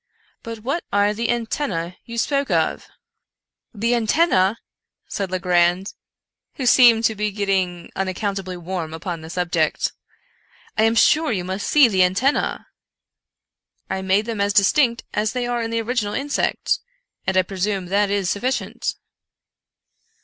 But where are the antenncB you spoke of ?" ''The autennce!" said Legrand, who seemed to be get ting unaccountably warm upon the subject; "I am sure you must see the antennce. I made them as distinct as they are in the original insect, and I presume that is suf ficient."